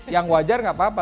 yang wajar nggak apa apa